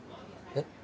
えっ？